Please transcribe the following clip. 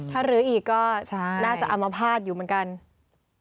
ถ้ารื้ออีกก็น่าจะอัมพาตอยู่เหมือนกัน